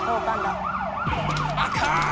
あかん！